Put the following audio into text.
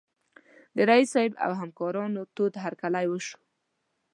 د رییس صیب او همکارانو تود هرکلی وشو.